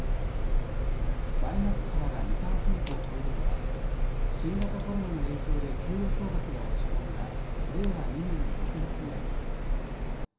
マイナス幅が２％を超えるのは新型コロナの影響で給与総額が落ち込んだ令和２年の６月以来です。